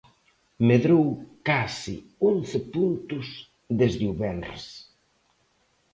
Medrou case once puntos desde o venres.